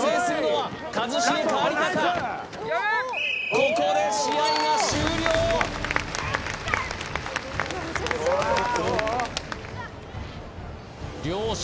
ここで試合が終了両者